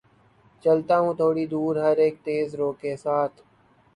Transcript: چلتا ہوں تھوڑی دور‘ ہر اک تیز رو کے ساتھ